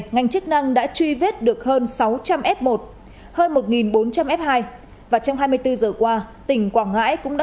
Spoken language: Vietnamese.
ngành chức năng đã truy vết được hơn sáu trăm linh f một hơn một bốn trăm linh f hai và trong hai mươi bốn giờ qua tỉnh quảng ngãi cũng đã